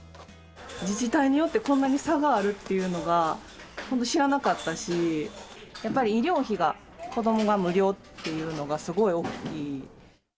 自治体によってこんなに差があるっていうのが本当知らなかったし、やっぱり医療費が、子どもが無料っていうのがすごい大きい。